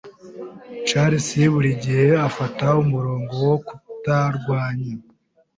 Charles buri gihe afata umurongo wo kutarwanya.